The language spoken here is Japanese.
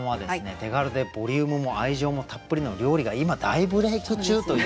手軽でボリュームも愛情もたっぷりの料理が今大ブレーク中という。